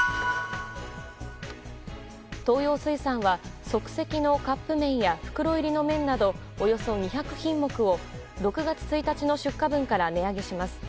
東洋水産は即席のカップ麺や袋入りの麺などおよそ２００品目を６月１日の出荷分から値上げします。